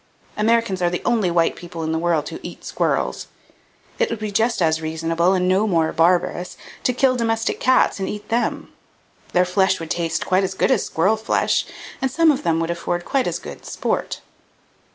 Americans are the only white people in the world who eat squirrels. It would be just as reasonable, and no more barbarous, to kill domestic cats and eat them. Their flesh would taste quite as good as squirrel flesh and some of them would afford quite as good "sport."